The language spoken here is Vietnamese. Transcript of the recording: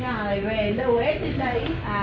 nhà này về đâu hết đến đấy